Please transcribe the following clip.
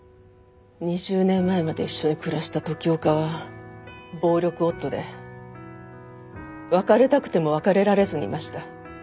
２０年前まで一緒に暮らした時岡は暴力夫で別れたくても別れられずにいました。